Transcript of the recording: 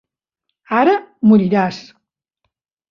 Ara moriràs!